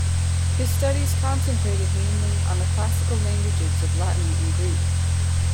His studies concentrated mainly on the classical languages of Latin and Greek.